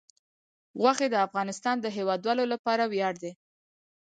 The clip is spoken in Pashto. غوښې د افغانستان د هیوادوالو لپاره ویاړ دی.